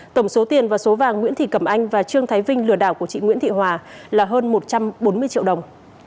tổng số tiền và số vàng nguyễn thị cẩm anh và trương thái vinh lừa đảo của chị nguyễn thị hòa là hơn một trăm bốn mươi triệu đồng